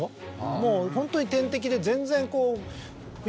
もうホントに天敵で全然。